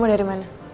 kamu dari mana